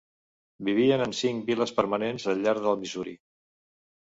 Vivien en cinc viles permanents al llarg del Missouri.